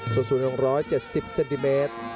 ส่วนสูง๑๗๐เซนติเมตร